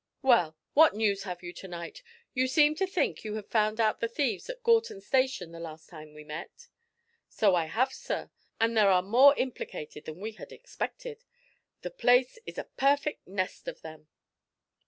Well, what news have you to night? You seemed to think you had found out the thieves at Gorton Station the last time we met." "So I have, sir, and there are more implicated than we had expected. The place is a perfect nest of them."